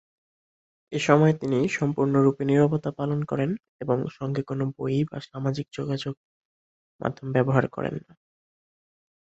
এসময় তিনি সম্পূর্ণরূপে নীরবতা পালন করেন এবং সঙ্গে কোন বই বা সামাজিক যোগাযোগ মাধ্যম ব্যবহার করেন না।